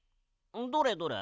どれどれ？